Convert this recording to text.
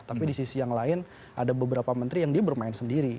tapi di sisi yang lain ada beberapa menteri yang dia bermain sendiri